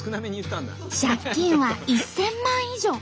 借金は１，０００万以上。